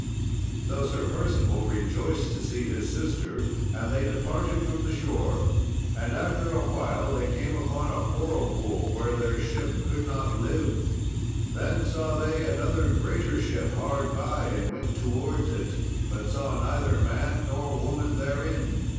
So Sir Percival rejoiced to see his sister, and they departed from the shore. And after a while they came upon a whirlpool, where their ship could not live. Then saw they another greater ship hard by and went towards it, but saw neither man nor woman therein.